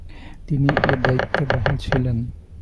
তিনি এ দায়িত্বে বহাল ছিলেন।